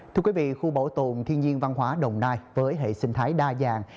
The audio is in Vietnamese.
thưa quý vị khu bảo tồn thiên nhiên văn hóa đồng nai với hệ sinh thái đa dạng